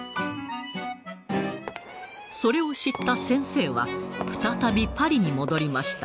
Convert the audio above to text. それを知った先生は再びパリに戻りました。